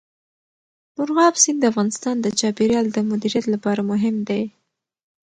مورغاب سیند د افغانستان د چاپیریال د مدیریت لپاره مهم دی.